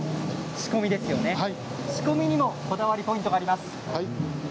仕込みにもこだわりポイントがあります。